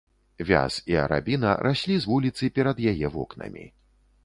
Вяз і арабіна раслі з вуліцы перад яе вокнамі.